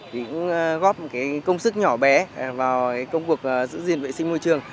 thì cũng góp một công sức nhỏ bé vào công cuộc giữ gìn vệ sinh môi trường